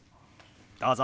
どうぞ。